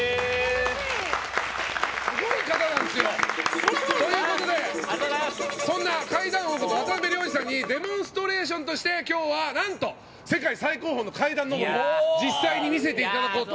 すごい方なんですよ。ということでそんな階段王こと渡辺良治さんにデモンストレーションとして今日は世界最高峰の階段上りを実際に見せていただこうと。